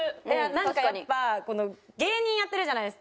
なんかやっぱ芸人やってるじゃないですか。